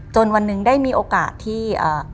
วันหนึ่งได้มีโอกาสที่